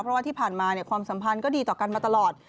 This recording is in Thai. เพราะว่าที่ผ่านมาความสัมพันธ์ก็ดีต่อกันมาตลอด